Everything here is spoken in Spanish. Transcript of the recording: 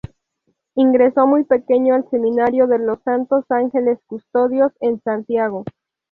Ingresó muy pequeño al Seminario de los Santos Ángeles Custodios, en Santiago.